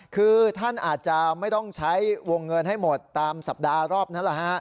คือท่านอาจจะไม่ต้องใช้วงเงินให้หมดตามสัปดาห์รอบนั้นแหละฮะ